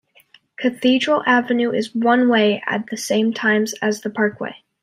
Cathedral Avenue is one-way at the same times as the parkway.